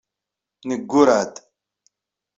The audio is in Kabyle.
Neggurreɛ-d.